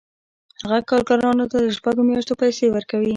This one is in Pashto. هغه کارګرانو ته د شپږو میاشتو پیسې ورکوي